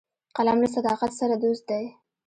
قلم له صداقت سره دوست دی